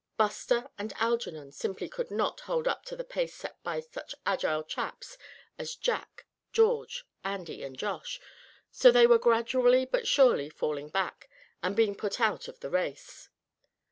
Buster and Algernon simply could not hold up to the pace set by such agile chaps as Jack, George, Andy and Josh, so that they were gradually but surely falling back, and being put out of the race.